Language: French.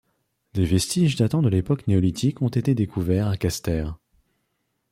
Des vestiges datant de l'époque néolithique ont été découverts à Kaster.